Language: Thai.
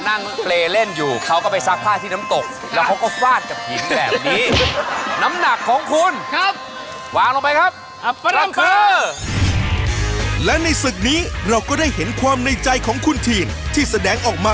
ทั้งคู่ครับคุณมีเวลาอีก๑นาทีเท่านั้นนะฮะ